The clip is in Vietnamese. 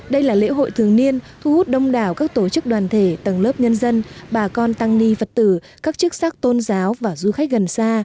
đây là lễ hội thường niên thu hút đông đảo các tổ chức đoàn thể tầng lớp nhân dân bà con tăng ni phật tử các chức sắc tôn giáo và du khách gần xa